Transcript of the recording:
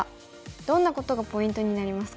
どんなことがポイントになりますか？